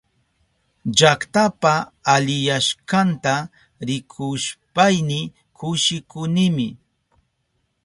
Llaktapa aliyashkanta rikushpayni kushikunimi.